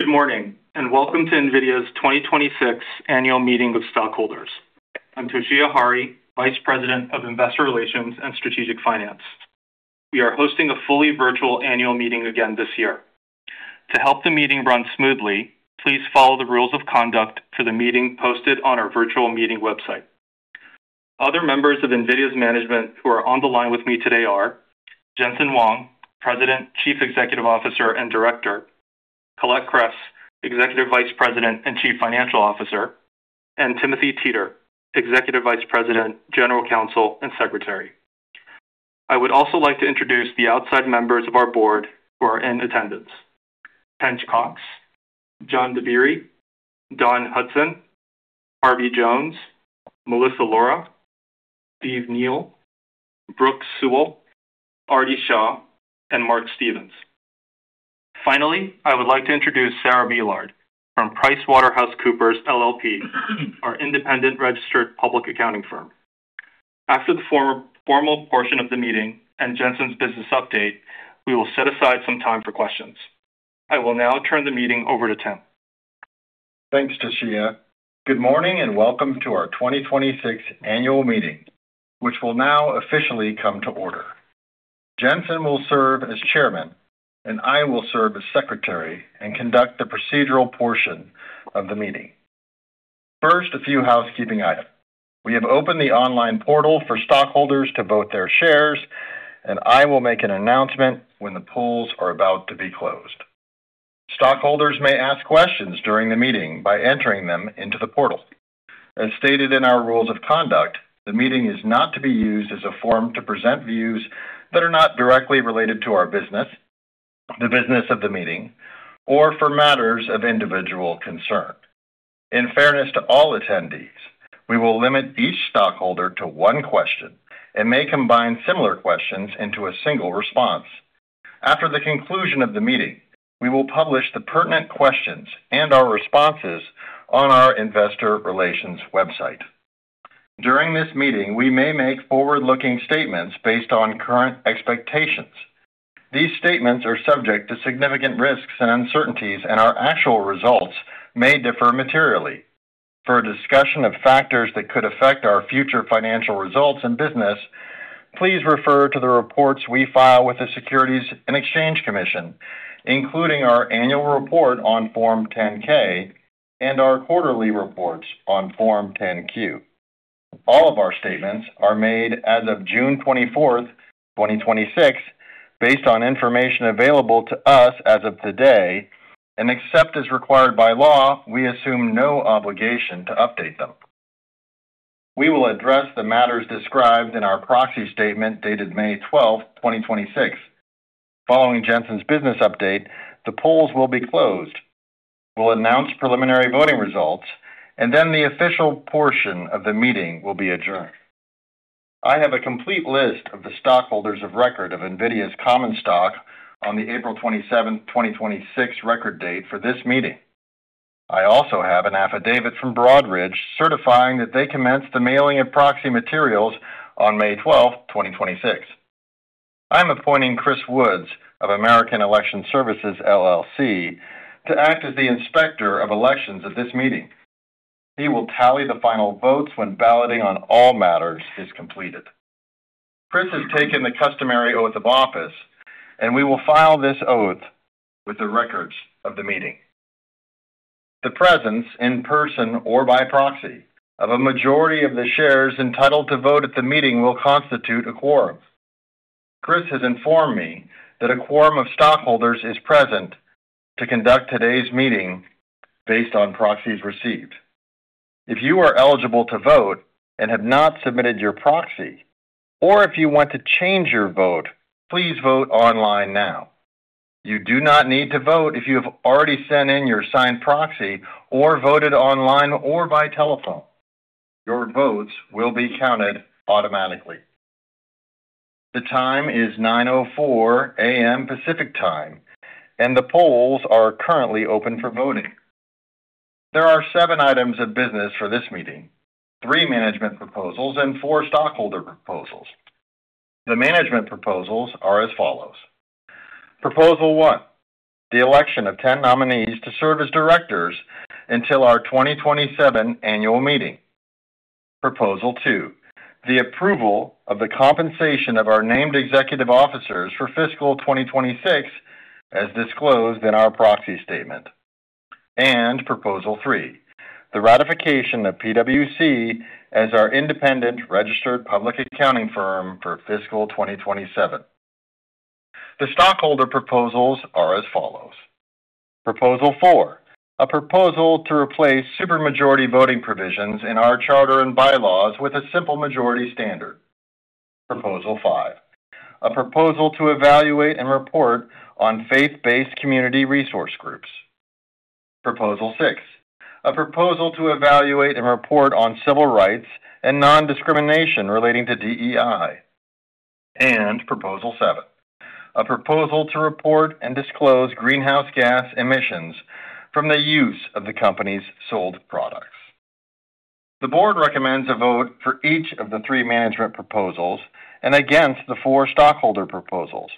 Good morning, welcome to NVIDIA's 2026 Annual Meeting of Stockholders. I'm Toshiya Hari, Vice President of Investor Relations and Strategic Finance. We are hosting a fully virtual annual meeting again this year. To help the meeting run smoothly, please follow the rules of conduct to the meeting posted on our virtual meeting website. Other members of NVIDIA's management who are on the line with me today are Jensen Huang, President, Chief Executive Officer, and Director, Colette Kress, Executive Vice President and Chief Financial Officer, and Timothy Teter, Executive Vice President, General Counsel, and Secretary. I would also like to introduce the outside members of our board who are in attendance, Tench Coxe, John O. Dabiri, Dawn Hudson, Harvey C. Jones, Melissa B. Lora, Stephen C. Neal, A. Brooke Seawell, Aarti Shah, and Mark A. Stevens. Finally, I would like to introduce Sarah Millard from PricewaterhouseCoopers, LLP, our independent registered public accounting firm. After the formal portion of the meeting and Jensen's business update, we will set aside some time for questions. I will now turn the meeting over to Tim. Thanks, Toshiya. Good morning, welcome to our 2026 annual meeting, which will now officially come to order. Jensen will serve as chairman, I will serve as secretary and conduct the procedural portion of the meeting. First, a few housekeeping items. We have opened the online portal for stockholders to vote their shares, I will make an announcement when the polls are about to be closed. Stockholders may ask questions during the meeting by entering them into the portal. As stated in our rules of conduct, the meeting is not to be used as a forum to present views that are not directly related to our business, the business of the meeting, or for matters of individual concern. In fairness to all attendees, we will limit each stockholder to one question and may combine similar questions into a single response. After the conclusion of the meeting, we will publish the pertinent questions and our responses on our investor relations website. During this meeting, we may make forward-looking statements based on current expectations. These statements are subject to significant risks and uncertainties, our actual results may differ materially. For a discussion of factors that could affect our future financial results and business, please refer to the reports we file with the Securities and Exchange Commission, including our annual report on Form 10-K and our quarterly reports on Form 10-Q. All of our statements are made as of June 24th, 2026, based on information available to us as of today, except as required by law, we assume no obligation to update them. We will address the matters described in our proxy statement dated May 12th, 2026. Following Jensen's business update, the polls will be closed. We'll announce preliminary voting results. The official portion of the meeting will be adjourned. I have a complete list of the stockholders of record of NVIDIA's common stock on the April 27, 2026, record date for this meeting. I also have an affidavit from Broadridge certifying that they commenced the mailing of proxy materials on May 12, 2026. I am appointing Chris Woods of American Election Services, LLC to act as the inspector of elections at this meeting. He will tally the final votes when balloting on all matters is completed. Chris has taken the customary oath of office. We will file this oath with the records of the meeting. The presence in person or by proxy of a majority of the shares entitled to vote at the meeting will constitute a quorum. Chris has informed me that a quorum of stockholders is present to conduct today's meeting based on proxies received. If you are eligible to vote and have not submitted your proxy, or if you want to change your vote, please vote online now. You do not need to vote if you have already sent in your signed proxy or voted online or by telephone. Your votes will be counted automatically. The time is 9:04 A.M. Pacific Time. The polls are currently open for voting. There are seven items of business for this meeting, three management proposals and four stockholder proposals. The management proposals are as follows. Proposal one, the election of 10 nominees to serve as directors until our 2027 annual meeting. Proposal two, the approval of the compensation of our named executive officers for fiscal 2026, as disclosed in our proxy statement. Proposal three, the ratification of PwC as our independent registered public accounting firm for fiscal 2027. The stockholder proposals are as follows. Proposal four, a proposal to replace super majority voting provisions in our charter and bylaws with a simple majority standard. Proposal five, a proposal to evaluate and report on faith-based community resource groups. Proposal six, a proposal to evaluate and report on civil rights and non-discrimination relating to DEI. Proposal seven, a proposal to report and disclose greenhouse gas emissions from the use of the company's sold products. The board recommends a vote for each of the three management proposals and against the four stockholder proposals.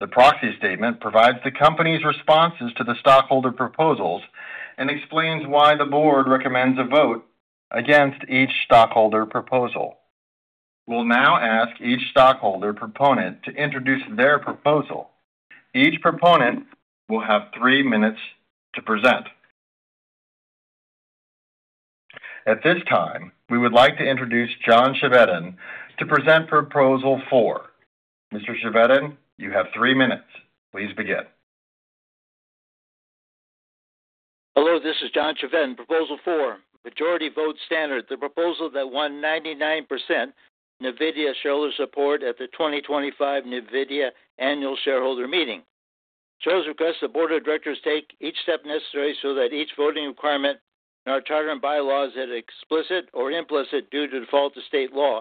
The proxy statement provides the company's responses to the stockholder proposals and explains why the board recommends a vote against each stockholder proposal. We'll now ask each stockholder proponent to introduce their proposal. Each proponent will have three minutes to present. At this time, we would like to introduce John Chevedden to present proposal four. Mr. Chevedden, you have three minutes. Please begin. Hello, this is John Chevedden, proposal four, majority vote standard, the proposal that won 99% NVIDIA shareholder support at the 2025 NVIDIA annual shareholder meeting. Shares request the board of directors take each step necessary so that each voting requirement in our charter and bylaws that are explicit or implicit due to default to state law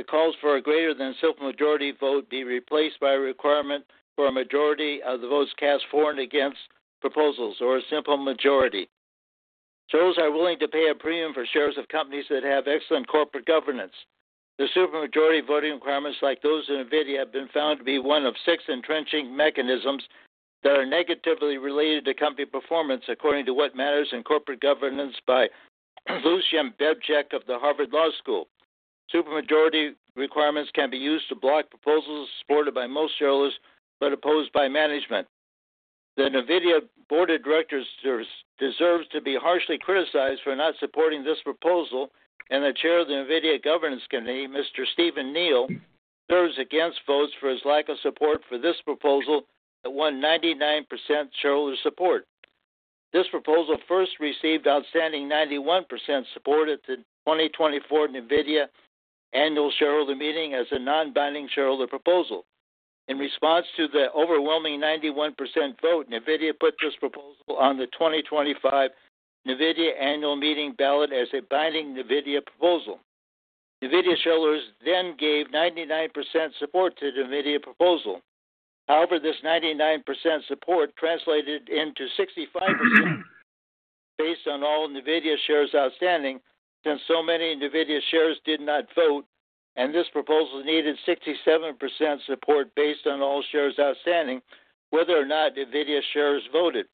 that calls for a greater than simple majority vote be replaced by a requirement for a majority of the votes cast for and against proposals, or a simple majority. Shares are willing to pay a premium for shares of companies that have excellent corporate governance. The super majority voting requirements like those in NVIDIA have been found to be one of six entrenching mechanisms that are negatively related to company performance, according to "What Matters in Corporate Governance" by Lucian Bebchuk of the Harvard Law School. Super majority requirements can be used to block proposals supported by most shareholders but opposed by management. The NVIDIA board of directors deserves to be harshly criticized for not supporting this proposal, and the chair of the NVIDIA governance committee, Mr. Stephen Neal, serves against votes for his lack of support for this proposal that won 99% shareholder support. This proposal first received outstanding 91% support at the 2024 NVIDIA annual shareholder meeting as a non-binding shareholder proposal. In response to the overwhelming 91% vote, NVIDIA put this proposal on the 2025 NVIDIA annual meeting ballot as a binding NVIDIA proposal. NVIDIA shareholders then gave 99% support to the NVIDIA proposal. However, this 99% support translated into 65% based on all NVIDIA shares outstanding, since so many NVIDIA shares did not vote, and this proposal needed 67% support based on all shares outstanding, whether or not NVIDIA shares voted.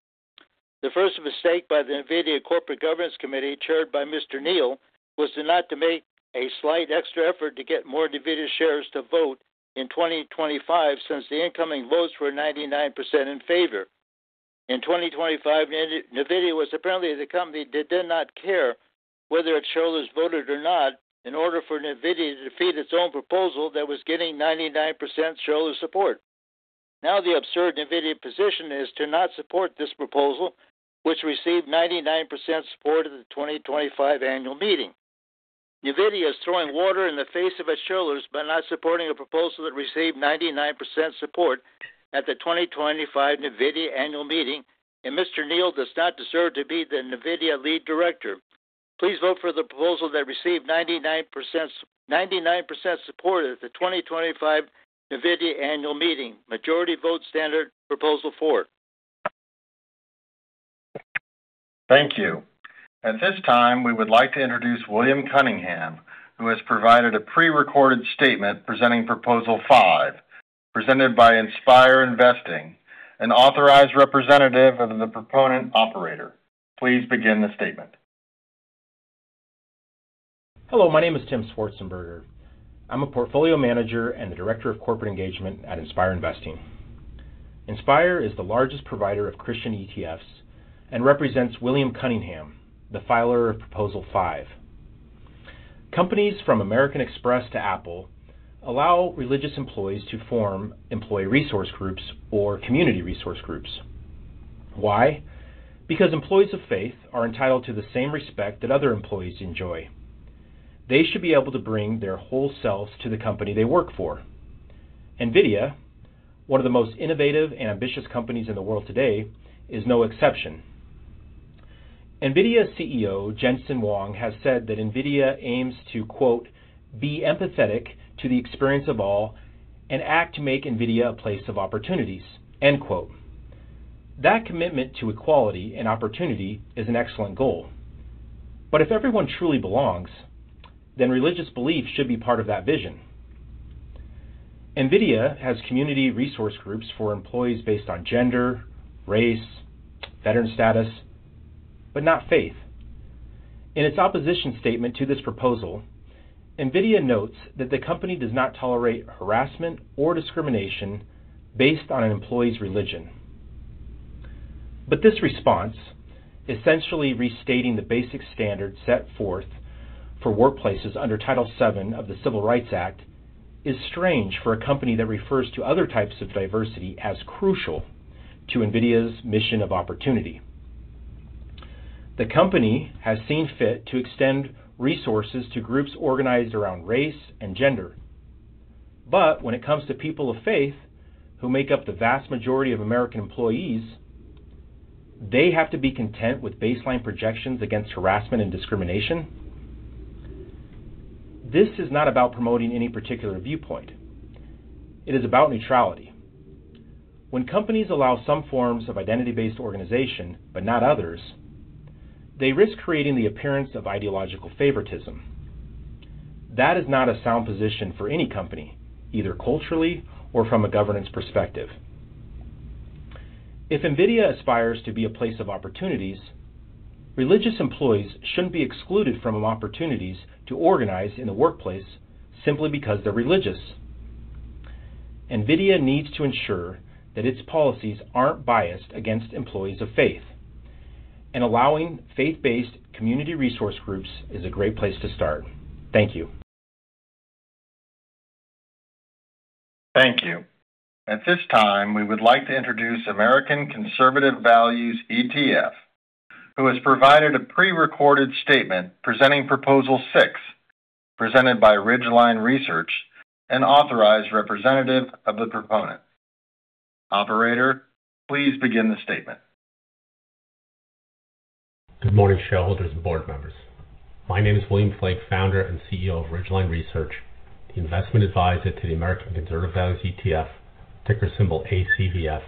The first mistake by the NVIDIA Corporate Governance Committee, chaired by Mr. Neal, was not to make a slight extra effort to get more NVIDIA shares to vote in 2025, since the incoming votes were 99% in favor. In 2025, NVIDIA was apparently the company that did not care whether its shareholders voted or not in order for NVIDIA to defeat its own proposal that was getting 99% shareholder support. The absurd NVIDIA position is to not support this proposal, which received 99% support at the 2025 annual meeting. NVIDIA is throwing water in the face of its shareholders by not supporting a proposal that received 99% support at the 2025 NVIDIA annual meeting, and Mr. Neal does not deserve to be the NVIDIA lead director. Please vote for the proposal that received 99% support at the 2025 NVIDIA annual meeting, majority vote standard proposal four. Thank you. At this time, we would like to introduce William Cunningham, who has provided a pre-recorded statement presenting proposal five, presented by Inspire Investing, an authorized representative of the proponent operator. Please begin the statement. Hello, my name is Tim Schwarzenberger. I'm a portfolio manager and the director of corporate engagement at Inspire Investing. Inspire is the largest provider of Christian ETFs and represents William Cunningham, the filer of proposal five. Companies from American Express to Apple allow religious employees to form employee resource groups or community resource groups. Why? Because employees of faith are entitled to the same respect that other employees enjoy. They should be able to bring their whole selves to the company they work for. NVIDIA, one of the most innovative and ambitious companies in the world today, is no exception. NVIDIA's CEO, Jensen Huang, has said that NVIDIA aims to, "Be empathetic to the experience of all and act to make NVIDIA a place of opportunities." That commitment to equality and opportunity is an excellent goal. If everyone truly belongs, then religious belief should be part of that vision. NVIDIA has community resource groups for employees based on gender, race, veteran status, not faith. In its opposition statement to this proposal, NVIDIA notes that the company does not tolerate harassment or discrimination based on an employee's religion. This response, essentially restating the basic standard set forth for workplaces under Title VII of the Civil Rights Act, is strange for a company that refers to other types of diversity as crucial to NVIDIA's mission of opportunity. The company has seen fit to extend resources to groups organized around race and gender. When it comes to people of faith, who make up the vast majority of American employees, they have to be content with baseline protections against harassment and discrimination? This is not about promoting any particular viewpoint. It is about neutrality. When companies allow some forms of identity-based organization but not others, they risk creating the appearance of ideological favoritism. That is not a sound position for any company, either culturally or from a governance perspective. If NVIDIA aspires to be a place of opportunities, religious employees shouldn't be excluded from opportunities to organize in the workplace simply because they're religious. NVIDIA needs to ensure that its policies aren't biased against employees of faith, and allowing faith-based community resource groups is a great place to start. Thank you. Thank you. At this time, we would like to introduce American Conservative Values ETF, who has provided a pre-recorded statement presenting proposal six, presented by Ridgeline Research, an authorized representative of the proponent. Operator, please begin the statement. Good morning, shareholders and board members. My name is William Flaig, founder and CEO of Ridgeline Research, the investment advisor to the American Conservative Values ETF, ticker symbol ACVF,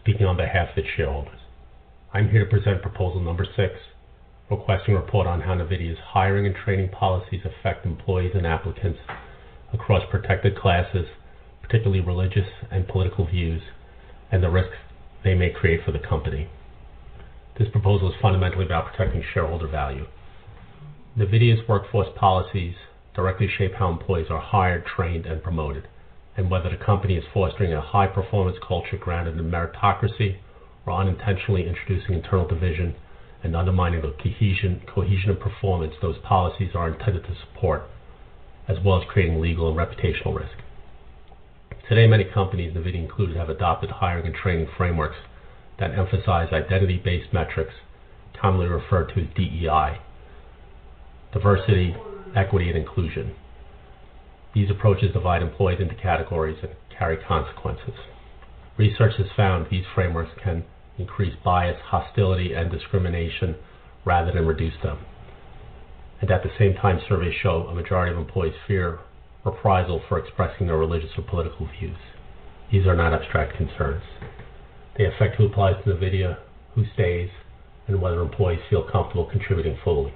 speaking on behalf of its shareholders. I am here to present proposal number six, requesting a report on how NVIDIA's hiring and training policies affect employees and applicants across protected classes, particularly religious and political views, and the risks they may create for the company. NVIDIA's workforce policies directly shape how employees are hired, trained, and promoted, and whether the company is fostering a high-performance culture grounded in meritocracy or unintentionally introducing internal division and undermining the cohesion and performance those policies are intended to support, as well as creating legal and reputational risk. Today, many companies, NVIDIA included, have adopted hiring and training frameworks that emphasize identity-based metrics, commonly referred to as DEI, diversity, equity, and inclusion. These approaches divide employees into categories that carry consequences. Research has found these frameworks can increase bias, hostility, and discrimination rather than reduce them. At the same time, surveys show a majority of employees fear reprisal for expressing their religious or political views. These are not abstract concerns. They affect who applies to NVIDIA, who stays, and whether employees feel comfortable contributing fully,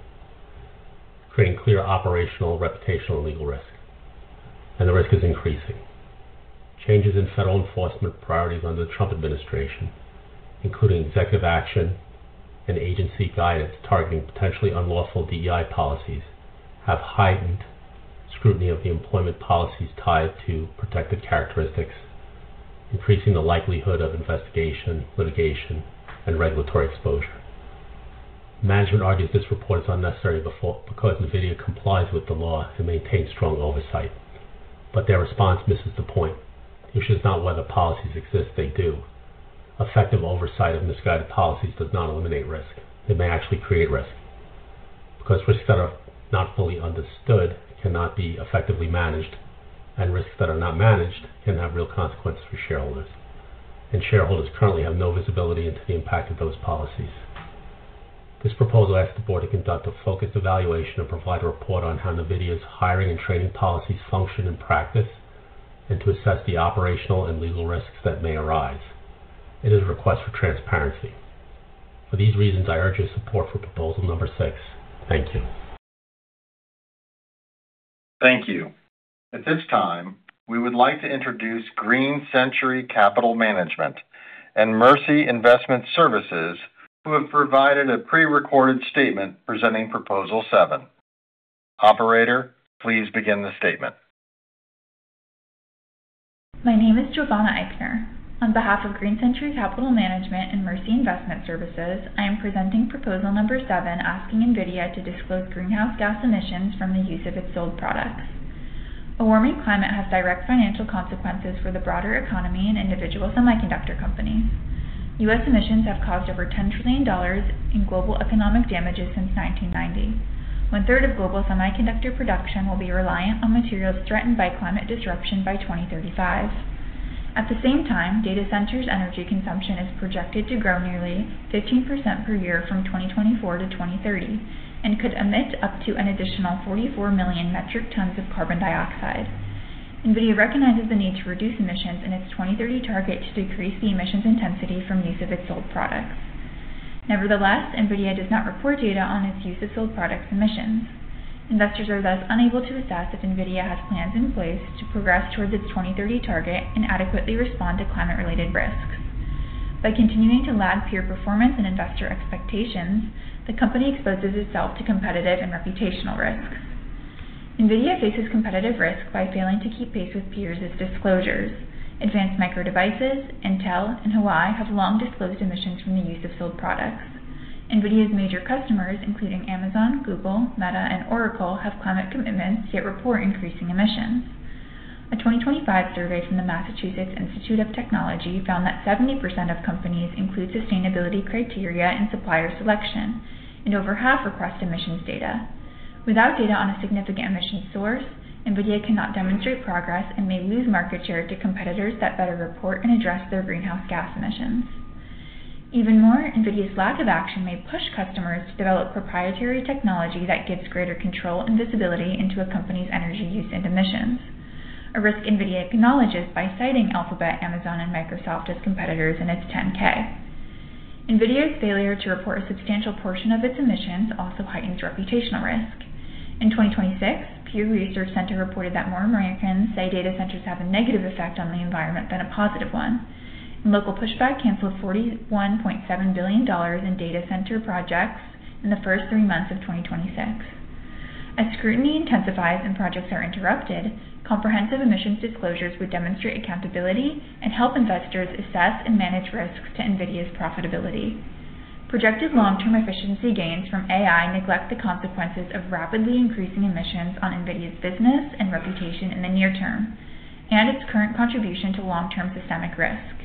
creating clear operational, reputational, and legal risk, and the risk is increasing. Changes in federal enforcement priorities under the Trump administration, including executive action and agency guidance targeting potentially unlawful DEI policies, have heightened scrutiny of the employment policies tied to protected characteristics, increasing the likelihood of investigation, litigation, and regulatory exposure. Management argues this report is unnecessary because NVIDIA complies with the law and maintains strong oversight, their response misses the point, which is not whether policies exist. They do. Effective oversight of misguided policies does not eliminate risk. It may actually create risk, because risks that are not fully understood cannot be effectively managed, and risks that are not managed can have real consequences for shareholders, and shareholders currently have no visibility into the impact of those policies. This proposal asks the board to conduct a focused evaluation and provide a report on how NVIDIA's hiring and training policies function in practice and to assess the operational and legal risks that may arise. It is a request for transparency. For these reasons, I urge your support for proposal number six. Thank you. Thank you. At this time, we would like to introduce Green Century Capital Management and Mercy Investment Services, who have provided a pre-recorded statement presenting proposal seven. Operator, please begin the statement. My name is Giovanna Eichner. On behalf of Green Century Capital Management and Mercy Investment Services, I am presenting proposal number seven, asking NVIDIA to disclose greenhouse gas emissions from the use of its sold products. A warming climate has direct financial consequences for the broader economy and individual semiconductor companies. U.S. emissions have caused over $10 trillion in global economic damages since 1990. One-third of global semiconductor production will be reliant on materials threatened by climate disruption by 2035. At the same time, data centers' energy consumption is projected to grow nearly 15% per year from 2024 to 2030 and could emit up to an additional 44 million metric tons of carbon dioxide. NVIDIA recognizes the need to reduce emissions in its 2030 target to decrease the emissions intensity from use of its sold products. Nevertheless, NVIDIA does not report data on its use of sold product emissions. Investors are thus unable to assess if NVIDIA has plans in place to progress towards its 2030 target and adequately respond to climate-related risks. By continuing to lag peer performance and investor expectations, the company exposes itself to competitive and reputational risks. NVIDIA faces competitive risk by failing to keep pace with peers' disclosures. Advanced Micro Devices, Intel, and Huawei have long disclosed emissions from the use of sold products. NVIDIA's major customers, including Amazon, Google, Meta, and Oracle, have climate commitments, yet report increasing emissions. A 2025 survey from the Massachusetts Institute of Technology found that 70% of companies include sustainability criteria in supplier selection, and over half request emissions data. Without data on a significant emissions source, NVIDIA cannot demonstrate progress and may lose market share to competitors that better report and address their greenhouse gas emissions. Even more, NVIDIA's lack of action may push customers to develop proprietary technology that gives greater control and visibility into a company's energy use and emissions. A risk NVIDIA acknowledges by citing Alphabet, Amazon, and Microsoft as competitors in its Form 10-K. NVIDIA's failure to report a substantial portion of its emissions also heightens reputational risk. In 2026, Pew Research Center reported that more Americans say data centers have a negative effect on the environment than a positive one, and local pushback canceled $41.7 billion in data center projects in the first three months of 2026. As scrutiny intensifies and projects are interrupted, comprehensive emissions disclosures would demonstrate accountability and help investors assess and manage risks to NVIDIA's profitability. Projected long-term efficiency gains from AI neglect the consequences of rapidly increasing emissions on NVIDIA's business and reputation in the near term and its current contribution to long-term systemic risk.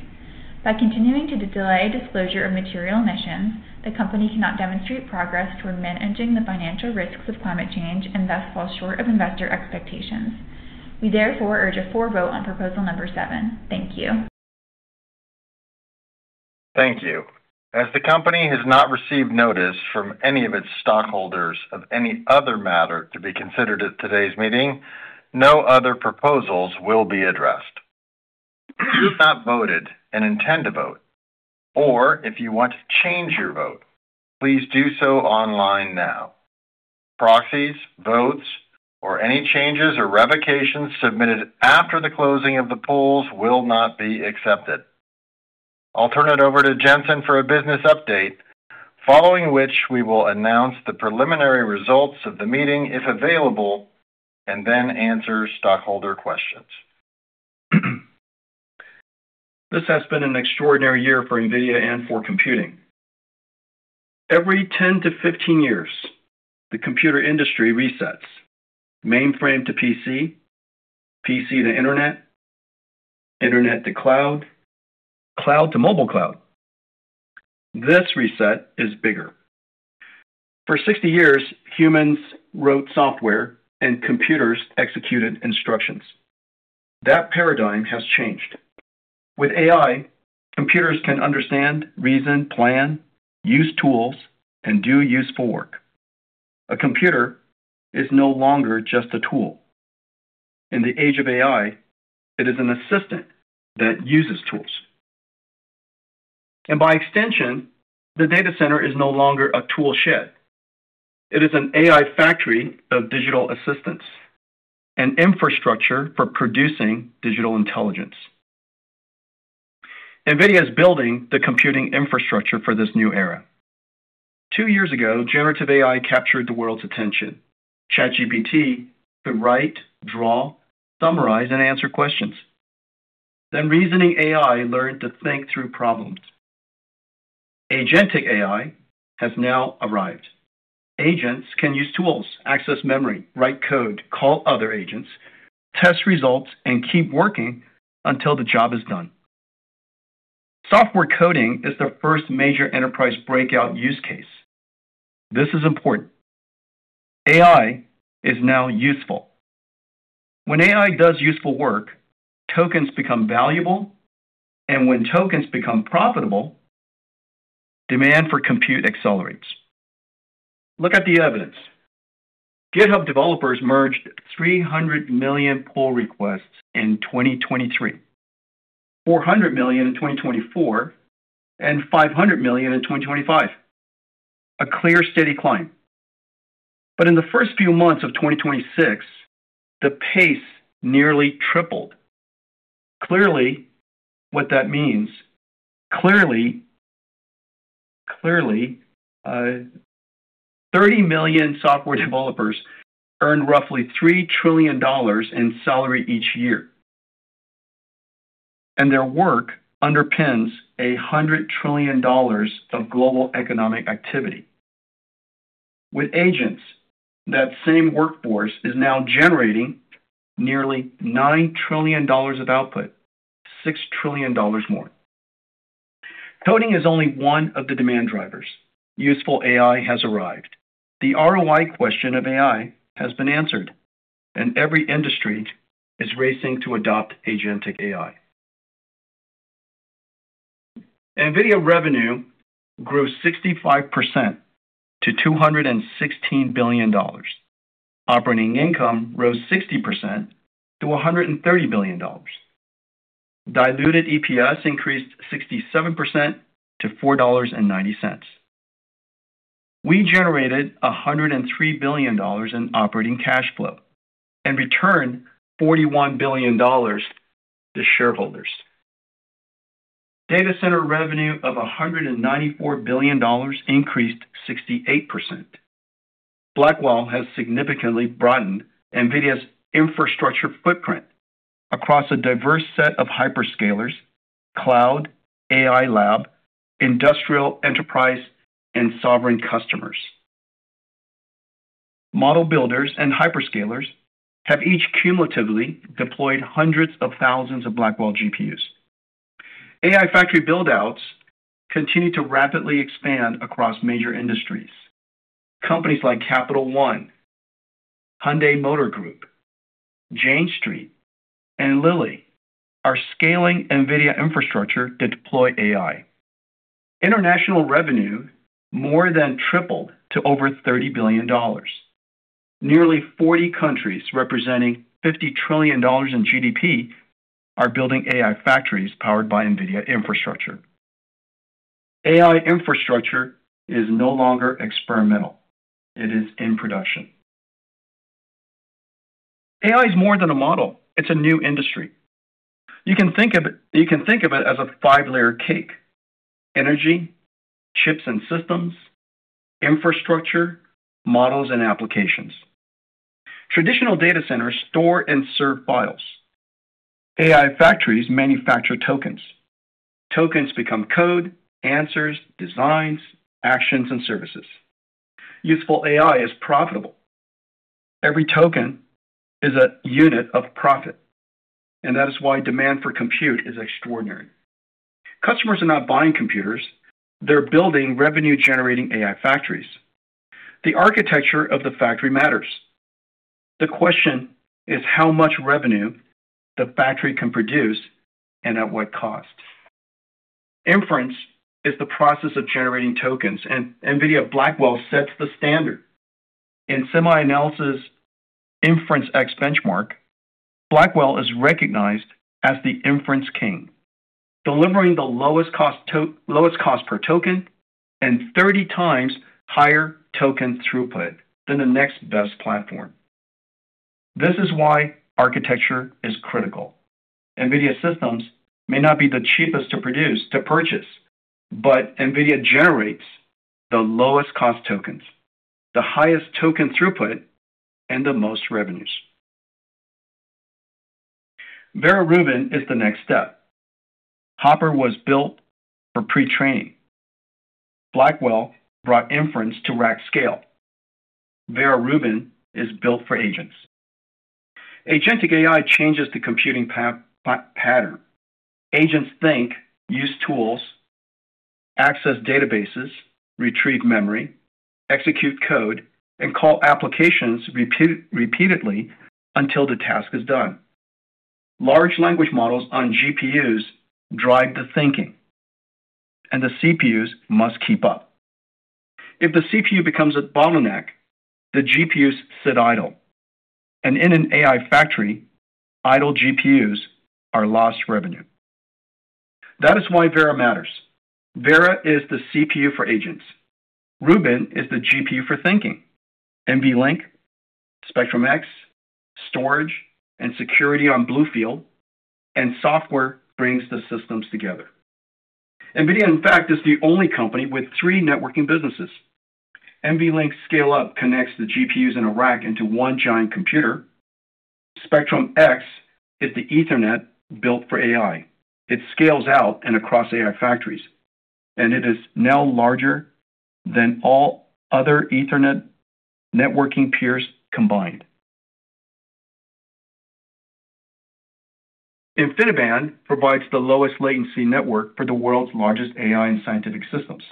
By continuing to delay disclosure of material emissions, the company cannot demonstrate progress toward managing the financial risks of climate change and thus falls short of investor expectations. We therefore urge a "for" vote on proposal number seven. Thank you. Thank you. As the company has not received notice from any of its stockholders of any other matter to be considered at today's meeting, no other proposals will be addressed. If you have not voted and intend to vote, or if you want to change your vote, please do so online now. Proxies, votes, or any changes or revocations submitted after the closing of the polls will not be accepted. I'll turn it over to Jensen for a business update, following which we will announce the preliminary results of the meeting, if available, and then answer stockholder q uestions. This has been an extraordinary year for NVIDIA and for computing. Every 10 to 15 years, the computer industry resets. Mainframe to PC to internet to cloud to mobile cloud. This reset is bigger. For 60 years, humans wrote software and computers executed instructions. That paradigm has changed. With AI, computers can understand, reason, plan, use tools, and do useful work. A computer is no longer just a tool. In the age of AI, it is an assistant that uses tools. By extension, the data center is no longer a tool shed. It is an AI factory of digital assistants, an infrastructure for producing digital intelligence. NVIDIA is building the computing infrastructure for this new era. Two years ago, generative AI captured the world's attention. ChatGPT could write, draw, summarize, and answer questions. Reasoning AI learned to think through problems. Agentic AI has now arrived. Agents can use tools, access memory, write code, call other agents, test results, and keep working until the job is done. Software coding is the first major enterprise breakout use case. This is important. AI is now useful. When AI does useful work, tokens become valuable, when tokens become profitable, demand for compute accelerates. Look at the evidence. GitHub developers merged 300 million pull requests in 2023, 400 million in 2024, 500 million in 2025. A clear, steady climb. In the first few months of 2026, the pace nearly tripled. Clearly, what that means. Clearly, 30 million software developers earn roughly $3 trillion in salary each year, their work underpins $100 trillion of global economic activity. With agents, that same workforce is now generating nearly $9 trillion of output, $6 trillion more. Coding is only one of the demand drivers. Useful AI has arrived. The ROI question of AI has been answered, every industry is racing to adopt agentic AI. NVIDIA revenue grew 65% to $216 billion. Operating income rose 60% to $130 billion. Diluted EPS increased 67% to $4.90. We generated $103 billion in operating cash flow returned $41 billion to shareholders. Data center revenue of $194 billion increased 68%. Blackwell has significantly broadened NVIDIA's infrastructure footprint across a diverse set of hyperscalers, cloud, AI lab, industrial, enterprise, and sovereign customers. Model builders and hyperscalers have each cumulatively deployed hundreds of thousands of Blackwell GPUs. AI factory build-outs continue to rapidly expand across major industries. Companies like Capital One Hyundai Motor Group, Jane Street, and Lilly are scaling NVIDIA infrastructure to deploy AI. International revenue more than tripled to over $30 billion. Nearly 40 countries representing $50 trillion in GDP are building AI factories powered by NVIDIA infrastructure. AI infrastructure is no longer experimental. It is in production. AI is more than a model. It's a new industry. You can think of it as a five-layer cake. Energy, chips and systems, infrastructure, models and applications. Traditional data centers store and serve files. AI factories manufacture tokens. Tokens become code, answers, designs, actions, and services. Useful AI is profitable. Every token is a unit of profit, and that is why demand for compute is extraordinary. Customers are not buying computers, they're building revenue-generating AI factories. The architecture of the factory matters. The question is how much revenue the factory can produce and at what cost. Inference is the process of generating tokens. NVIDIA Blackwell sets the standard. In SemiAnalysis InferenceX benchmark, Blackwell is recognized as the inference king, delivering the lowest cost per token and 30 times higher token throughput than the next best platform. This is why architecture is critical. NVIDIA systems may not be the cheapest to purchase, but NVIDIA generates the lowest cost tokens, the highest token throughput, and the most revenues. Vera Rubin is the next step. Hopper was built for pre-training. Blackwell brought inference to rack scale. Vera Rubin is built for agents. Agentic AI changes the computing pattern. Agents think, use tools, access databases, retrieve memory, execute code, and call applications repeatedly until the task is done. Large language models on GPUs drive the thinking, and the CPUs must keep up. If the CPU becomes a bottleneck, the GPUs sit idle, and in an AI factory, idle GPUs are lost revenue. That is why Vera matters. Vera is the CPU for agents. Rubin is the GPU for thinking. NVLink, Spectrum-X, storage, and security on BlueField, and software brings the systems together. NVIDIA, in fact, is the only company with three networking businesses. NVLink Scale-Up connects the GPUs in a rack into one giant computer. Spectrum-X is the Ethernet built for AI. It scales out and across AI factories, and it is now larger than all other Ethernet networking peers combined. InfiniBand provides the lowest latency network for the world's largest AI and scientific systems.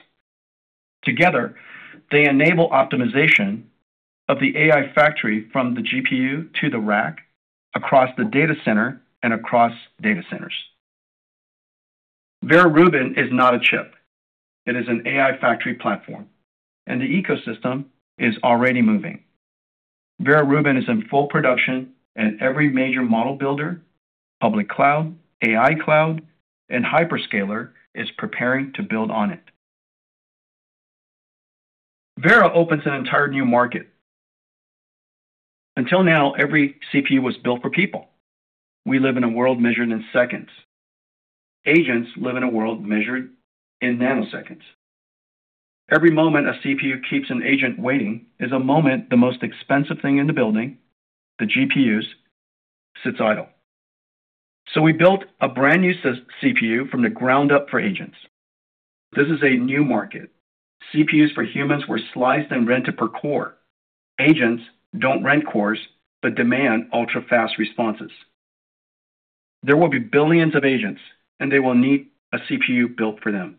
Together, they enable optimization of the AI factory from the GPU to the rack, across the data center and across data centers. Vera Rubin is not a chip. It is an AI factory platform, and the ecosystem is already moving. Vera Rubin is in full production, and every major model builder, public cloud, AI cloud, and hyperscaler is preparing to build on it. Vera opens an entire new market. Until now, every CPU was built for people. We live in a world measured in seconds. Agents live in a world measured in nanoseconds. Every moment a CPU keeps an agent waiting is a moment the most expensive thing in the building, the GPUs, sits idle. We built a brand-new CPU from the ground up for agents. This is a new market. CPUs for humans were sliced and rented per core. Agents don't rent cores but demand ultra-fast responses. There will be billions of agents, and they will need a CPU built for them.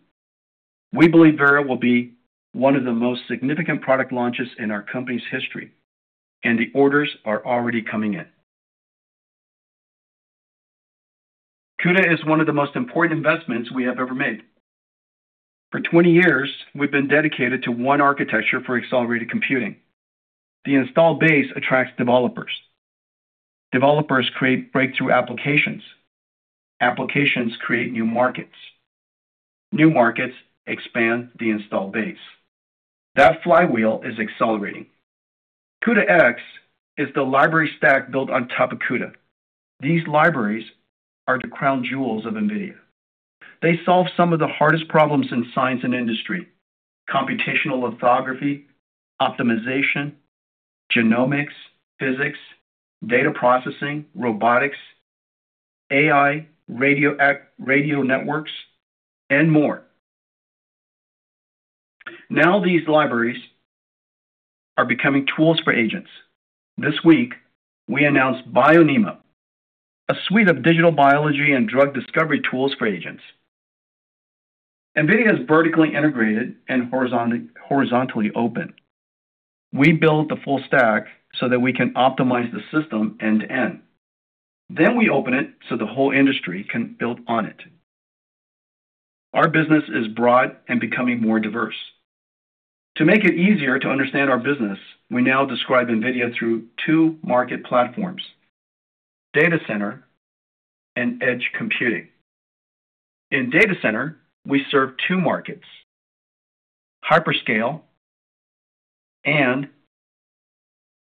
We believe Vera will be one of the most significant product launches in our company's history, and the orders are already coming in. CUDA is one of the most important investments we have ever made. For 20 years, we've been dedicated to one architecture for accelerated computing. The installed base attracts developers. Developers create breakthrough applications. Applications create new markets. New markets expand the installed base. That flywheel is accelerating. CUDA-X is the library stack built on top of CUDA. These libraries are the crown jewels of NVIDIA. They solve some of the hardest problems in science and industry. computational lithography, optimization, genomics, physics, data processing, robotics, AI, radio networks, and more. Now, these libraries are becoming tools for agents. This week, we announced BioNeMo, a suite of digital biology and drug discovery tools for agents. NVIDIA is vertically integrated and horizontally open. We build the full stack so that we can optimize the system end-to-end. We open it so the whole industry can build on it. Our business is broad and becoming more diverse. To make it easier to understand our business, we now describe NVIDIA through two market platforms, data center and edge computing. In data center, we serve two markets, hyperscale and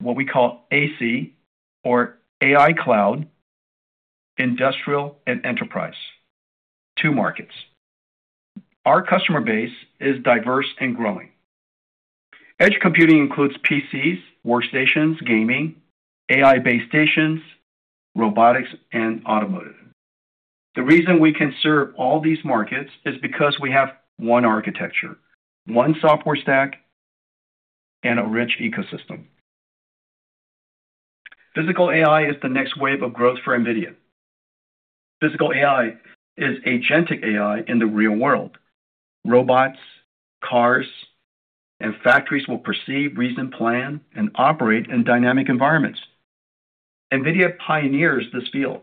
what we call AC or AI cloud, industrial and enterprise. Two markets. Our customer base is diverse and growing. Edge computing includes PCs, workstations, gaming, AI base stations, robotics, and automotive. The reason we can serve all these markets is because we have one architecture, one software stack, and a rich ecosystem. Physical AI is the next wave of growth for NVIDIA. Physical AI is agentic AI in the real world. Robots, cars, and factories will perceive, reason, plan, and operate in dynamic environments. NVIDIA pioneers this field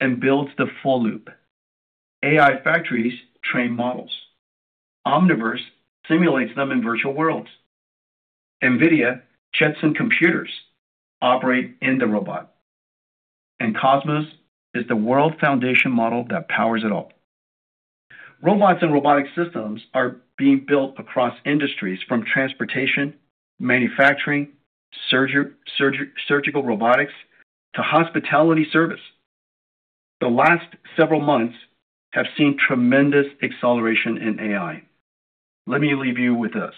and builds the full loop. AI factories train models. Omniverse simulates them in virtual worlds. NVIDIA Jetson computers operate in the robot. Cosmos is the world foundation model that powers it all. Robots and robotic systems are being built across industries from transportation, manufacturing, surgical robotics, to hospitality service. The last several months have seen tremendous acceleration in AI. Let me leave you with this.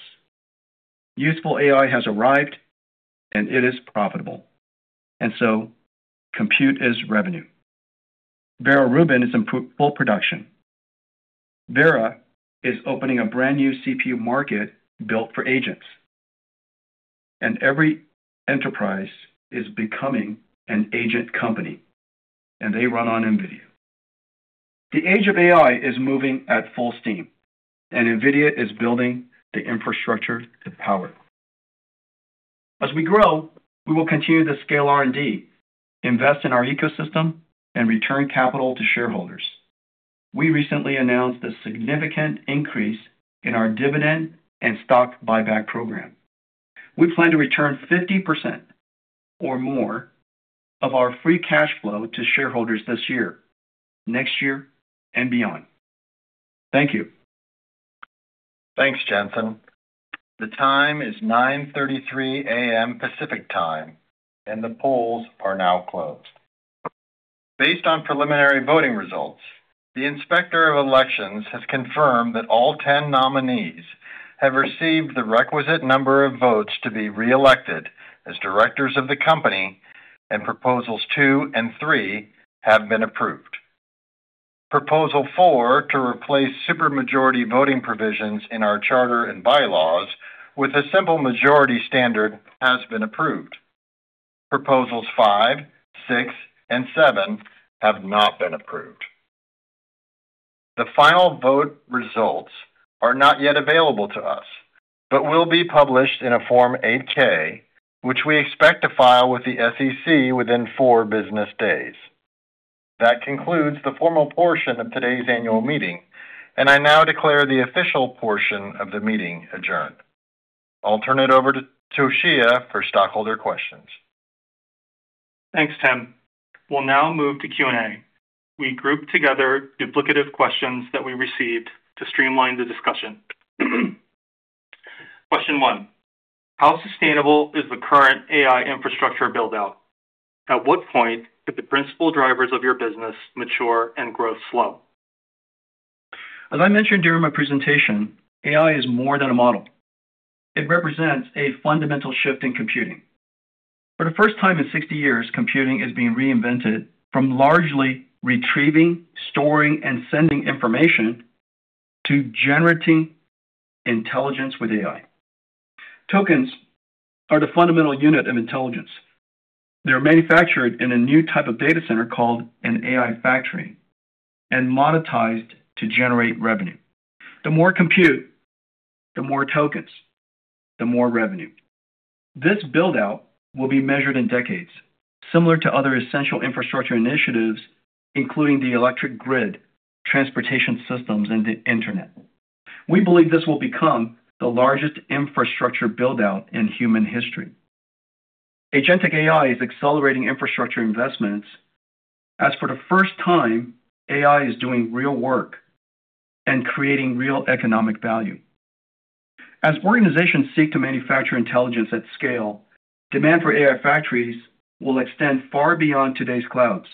Useful AI has arrived, and it is profitable, and so compute is revenue. Vera Rubin is in full production. Vera is opening a brand-new CPU market built for agents, and every enterprise is becoming an agent company, and they run on NVIDIA. The age of AI is moving at full steam, and NVIDIA is building the infrastructure to power it. As we grow, we will continue to scale R&D, invest in our ecosystem, and return capital to shareholders. We recently announced a significant increase in our dividend and stock buyback program. We plan to return 50% or more of our free cash flow to shareholders this year, next year, and beyond. Thank you. Thanks, Jensen. The time is 9:33 A.M. Pacific Time. The polls are now closed. Based on preliminary voting results, the Inspector of Elections has confirmed that all 10 nominees have received the requisite number of votes to be reelected as directors of the company. Proposals two and three have been approved. Proposal four to replace super majority voting provisions in our charter and bylaws with a simple majority standard has been approved. Proposals five, six, and seven have not been approved. The final vote results are not yet available to us, but will be published in a Form 8-K, which we expect to file with the SEC within four business days. That concludes the formal portion of today's annual meeting. I now declare the official portion of the meeting adjourned. I'll turn it over to Toshiya for stockholder questions. Thanks, Tim. We'll now move to Q&A. We grouped together duplicative questions that we received to streamline the discussion. Question one, how sustainable is the current AI infrastructure build-out? At what point did the principal drivers of your business mature and growth slow? As I mentioned during my presentation, AI is more than a model. It represents a fundamental shift in computing. For the first time in 60 years, computing is being reinvented from largely retrieving, storing, and sending information to generating intelligence with AI. Tokens are the fundamental unit of intelligence. They're manufactured in a new type of data center called an AI factory and monetized to generate revenue. The more compute, the more tokens, the more revenue. This build-out will be measured in decades, similar to other essential infrastructure initiatives, including the electric grid, transportation systems, and the internet. We believe this will become the largest infrastructure build-out in human history. Agentic AI is accelerating infrastructure investments, as for the first time, AI is doing real work and creating real economic value. As organizations seek to manufacture intelligence at scale, demand for AI factories will extend far beyond today's clouds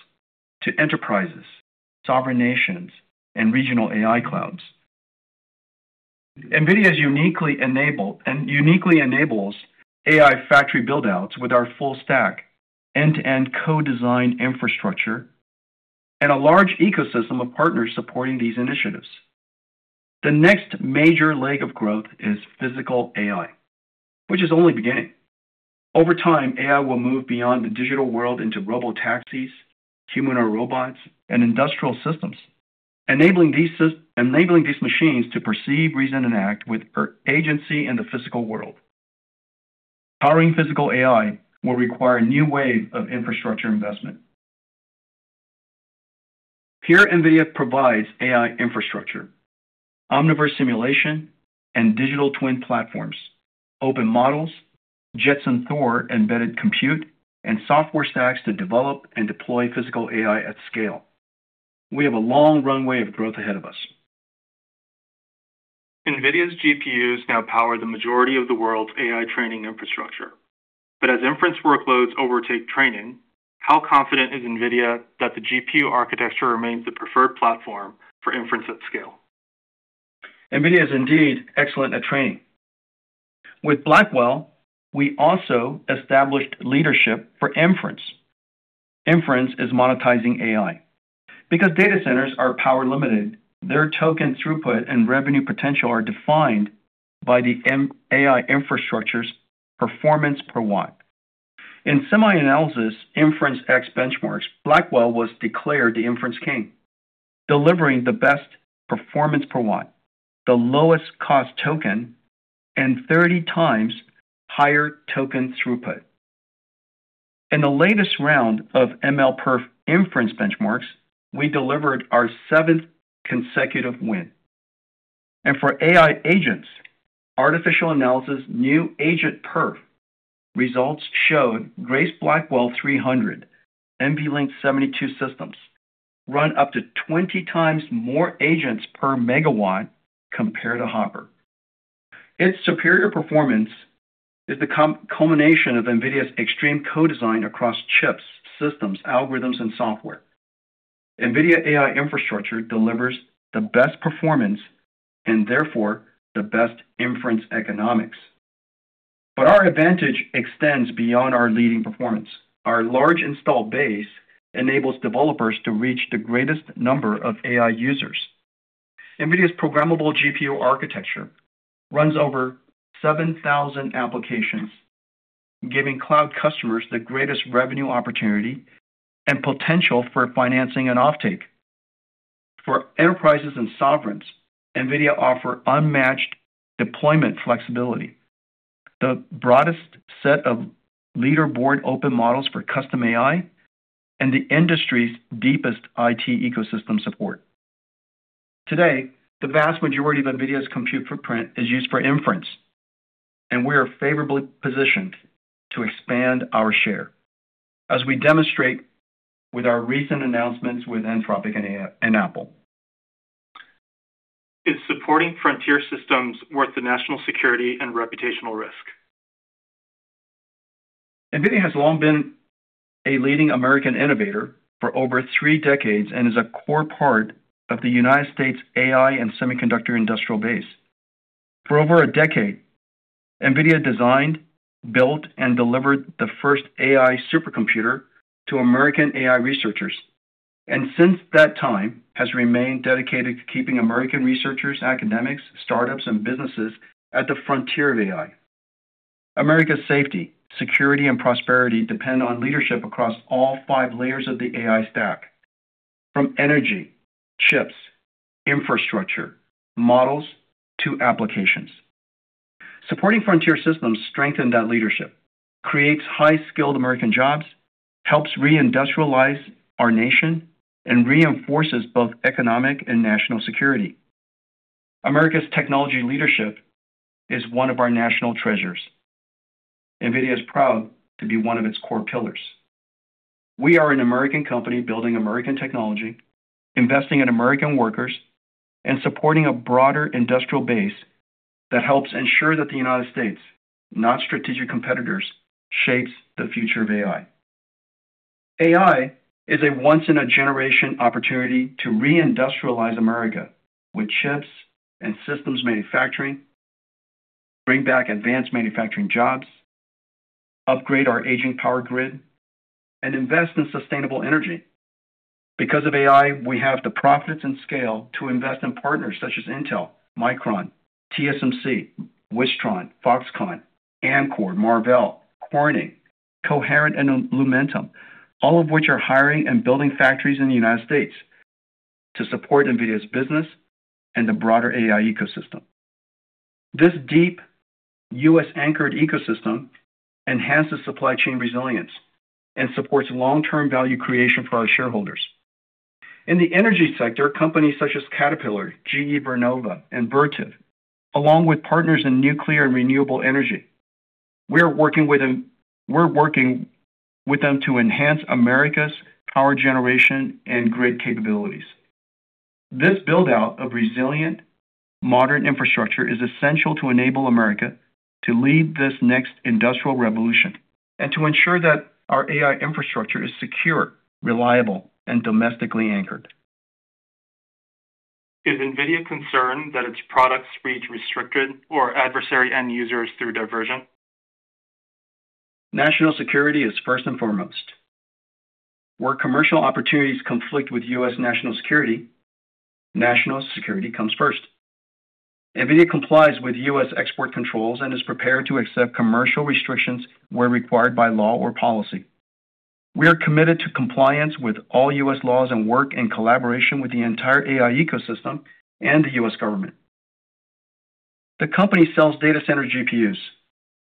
to enterprises, sovereign nations, and regional AI clouds. NVIDIA is uniquely enabled and uniquely enables AI factory build-outs with our full stack end-to-end co-design infrastructure and a large ecosystem of partners supporting these initiatives. The next major leg of growth is physical AI, which is only beginning. Over time, AI will move beyond the digital world into robotaxis, humanoid robots, and industrial systems, enabling these machines to perceive, reason, and act with agency in the physical world. Powering physical AI will require a new wave of infrastructure investment. Here, NVIDIA provides AI infrastructure, Omniverse simulation, and digital twin platforms, open models, Jetson Thor embedded compute, and software stacks to develop and deploy physical AI at scale. We have a long runway of growth ahead of us. NVIDIA's GPUs now power the majority of the world's AI training infrastructure. As inference workloads overtake training, how confident is NVIDIA that the GPU architecture remains the preferred platform for inference at scale? NVIDIA is indeed excellent at training. With Blackwell, we also established leadership for inference. Inference is monetizing AI. Because data centers are power-limited, their token throughput and revenue potential are defined by the AI infrastructure's performance per watt. In SemiAnalysis InferenceX benchmarks, Blackwell was declared the inference king, delivering the best performance per watt, the lowest cost token, and 30 times higher token throughput. In the latest round of MLPerf inference benchmarks, we delivered our seventh consecutive win. For AI agents, Artificial Analysis new AgentPerf results showed Grace Blackwell 300, NVLink 72 systems run up to 20 times more agents per megawatt compared to Hopper. Its superior performance is the culmination of NVIDIA's extreme co-design across chips, systems, algorithms, and software. NVIDIA AI infrastructure delivers the best performance and therefore the best inference economics. Our advantage extends beyond our leading performance. Our large installed base enables developers to reach the greatest number of AI users. NVIDIA's programmable GPU architecture runs over 7,000 applications, giving cloud customers the greatest revenue opportunity and potential for financing and offtake. For enterprises and sovereigns, NVIDIA offer unmatched deployment flexibility, the broadest set of leaderboard open models for custom AI, and the industry's deepest IT ecosystem support. Today, the vast majority of NVIDIA's compute footprint is used for inference, and we are favorably positioned to expand our share as we demonstrate with our recent announcements with Anthropic and Apple. Is supporting frontier systems worth the national security and reputational risk? NVIDIA has long been a leading American innovator for over three decades and is a core part of the U.S. AI and semiconductor industrial base. For over a decade, NVIDIA designed, built, and delivered the first AI supercomputer to American AI researchers, and since that time has remained dedicated to keeping American researchers, academics, startups, and businesses at the frontier of AI. America's safety, security, and prosperity depend on leadership across all five layers of the AI stack, from energy, chips, infrastructure, models, to applications. Supporting frontier systems strengthen that leadership, creates high-skilled American jobs, helps re-industrialize our nation, and reinforces both economic and national security. America's technology leadership is one of our national treasures. NVIDIA is proud to be one of its core pillars. We are an American company building American technology, investing in American workers, and supporting a broader industrial base that helps ensure that the U.S., not strategic competitors, shapes the future of AI. AI is a once-in-a-generation opportunity to re-industrialize America with chips and systems manufacturing, bring back advanced manufacturing jobs, upgrade our aging power grid, and invest in sustainable energy. Because of AI, we have the profits and scale to invest in partners such as Intel, Micron, TSMC, Wistron, Foxconn, Amkor, Marvell, Corning, Coherent, and Lumentum, all of which are hiring and building factories in the U.S. to support NVIDIA's business and the broader AI ecosystem. This deep U.S.-anchored ecosystem enhances supply chain resilience and supports long-term value creation for our shareholders. In the energy sector, companies such as Caterpillar, GE Vernova, and Vertiv, along with partners in nuclear and renewable energy, we're working with them to enhance America's power generation and grid capabilities. This build-out of resilient modern infrastructure is essential to enable America to lead this next industrial revolution and to ensure that our AI infrastructure is secure, reliable, and domestically anchored. Is NVIDIA concerned that its products reach restricted or adversary end users through diversion? National security is first and foremost. Where commercial opportunities conflict with U.S. national security, national security comes first. NVIDIA complies with U.S. export controls and is prepared to accept commercial restrictions where required by law or policy. We are committed to compliance with all U.S. laws and work in collaboration with the entire AI ecosystem and the U.S. government. The company sells data center GPUs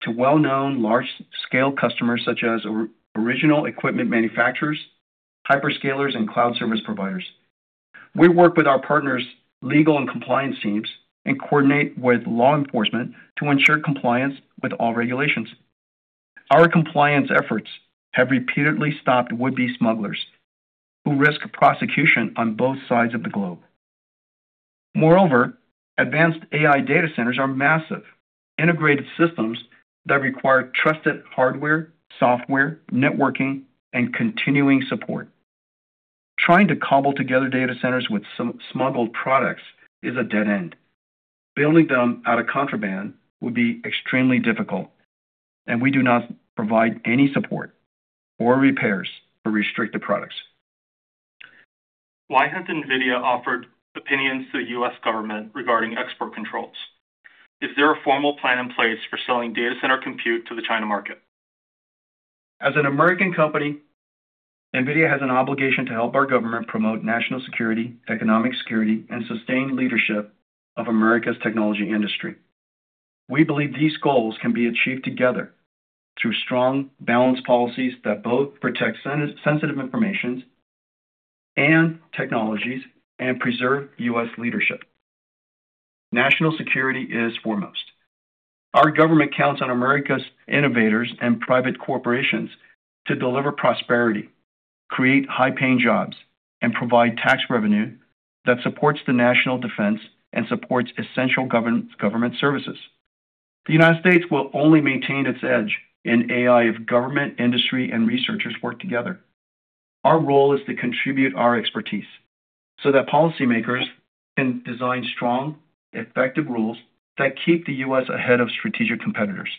to well-known large-scale customers such as original equipment manufacturers, hyperscalers, and cloud service providers. We work with our partners' legal and compliance teams and coordinate with law enforcement to ensure compliance with all regulations. Our compliance efforts have repeatedly stopped would-be smugglers who risk prosecution on both sides of the globe. Moreover, advanced AI data centers are massive integrated systems that require trusted hardware, software, networking, and continuing support. Trying to cobble together data centers with smuggled products is a dead end. Building them out of contraband would be extremely difficult. We do not provide any support or repairs for restricted products. Why hasn't NVIDIA offered opinions to the U.S. government regarding export controls? Is there a formal plan in place for selling data center compute to the China market? As an American company, NVIDIA has an obligation to help our government promote national security, economic security, and sustained leadership of America's technology industry. We believe these goals can be achieved together through strong, balanced policies that both protect sensitive informations and technologies and preserve U.S. leadership. National security is foremost. Our government counts on America's innovators and private corporations to deliver prosperity, create high-paying jobs, and provide tax revenue that supports the national defense and supports essential government services. The United States will only maintain its edge in AI if government, industry, and researchers work together. Our role is to contribute our expertise so that policymakers can design strong, effective rules that keep the U.S. ahead of strategic competitors.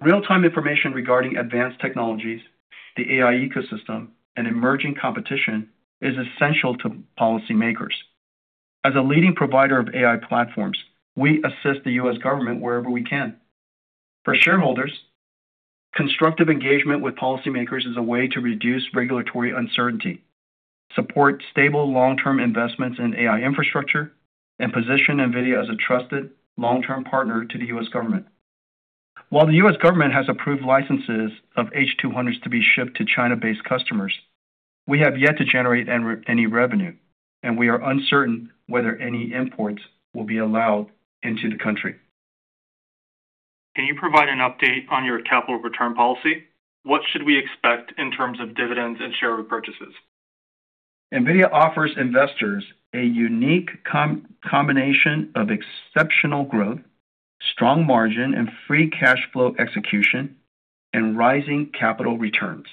Real-time information regarding advanced technologies, the AI ecosystem, and emerging competition is essential to policymakers. As a leading provider of AI platforms, we assist the U.S. government wherever we can. For shareholders, constructive engagement with policymakers is a way to reduce regulatory uncertainty, support stable long-term investments in AI infrastructure, and position NVIDIA as a trusted long-term partner to the U.S. government. While the U.S. government has approved licenses of H200 to be shipped to China-based customers, we have yet to generate any revenue, and we are uncertain whether any imports will be allowed into the country. Can you provide an update on your capital return policy? What should we expect in terms of dividends and share repurchases? NVIDIA offers investors a unique combination of exceptional growth, strong margin, and free cash flow execution, and rising capital returns.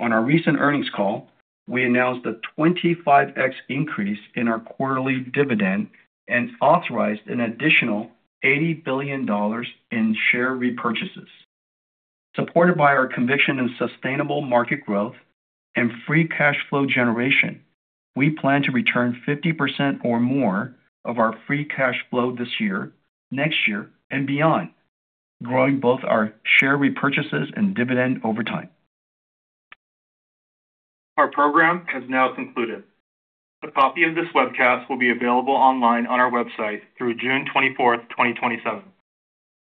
On our recent earnings call, we announced a 25x increase in our quarterly dividend and authorized an additional $80 billion in share repurchases. Supported by our conviction in sustainable market growth and free cash flow generation, we plan to return 50% or more of our free cash flow this year, next year, and beyond, growing both our share repurchases and dividend over time. Our program has now concluded. A copy of this webcast will be available online on our website through June 24, 2027.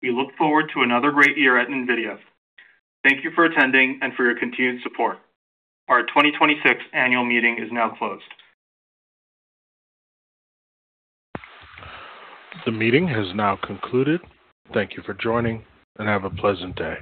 We look forward to another great year at NVIDIA. Thank you for attending and for your continued support. Our 2026 annual meeting is now closed. The meeting has now concluded. Thank you for joining, and have a pleasant day.